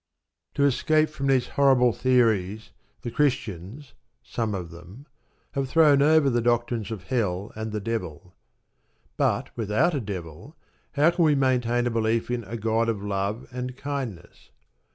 To escape from these horrible theories, the Christians (some of them) have thrown over the doctrines of Hell and the Devil. But without a Devil how can we maintain a belief in a God of love and kindness?